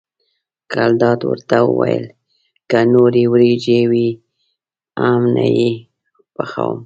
ګلداد ورته وویل که نورې وریجې وي هم نه یې پخوم.